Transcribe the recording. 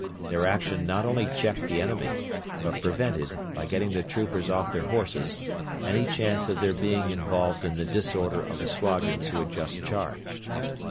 Their action not only checked the enemy, but prevented, by getting the troopers off their horses, any chance of their being involved in the disorder of the squadrons who had just charged.